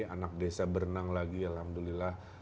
anak desa berenang lagi alhamdulillah